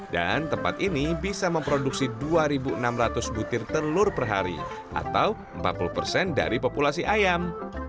dan tempat ini bisa memproduksi dua enam ratus butir telur per hari atau empat puluh persen dari populasi ayam